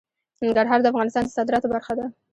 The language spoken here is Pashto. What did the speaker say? ننګرهار د افغانستان د صادراتو برخه ده.